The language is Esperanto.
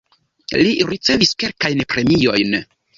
Li ricevis kelkajn premiojn.